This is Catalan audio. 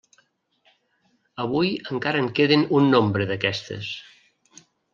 Avui encara en queden un nombre d'aquestes.